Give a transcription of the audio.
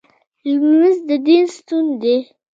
لمونځ د دین ستون دی